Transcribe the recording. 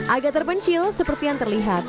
agak terpencil seperti yang terlihat